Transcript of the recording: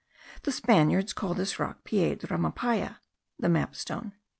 The Spaniards call this rock Piedra Mapaya (the map stone).